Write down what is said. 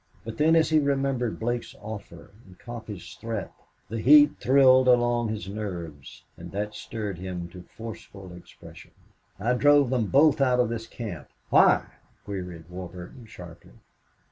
But then as he remembered Blake's offer and Coffee's threat the heat thrilled along his nerves; and that stirred him to forceful expression. "I drove them both out of this camp." "Why?" queried Warburton, sharply.